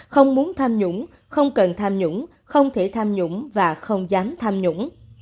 không muốn tham nhũng không cần tham nhũng không thể tham nhũng và không dám tham nhũng